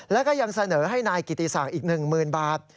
แล้วก็ยังเสนอให้นายกิติศักดิ์อีก๑๐๐๐บาท